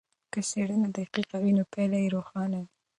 که څېړنه دقیقه وي نو پایله یې روښانه وي.